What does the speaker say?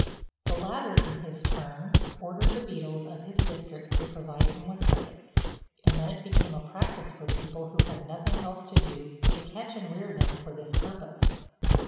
The latter, in his turn, ordered the beadles of his district to provide him with crickets; and then it became a practice for people who had nothing else to do to catch and rear them for this purpose.